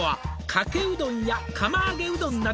「かけうどんや釜揚げうどんなど」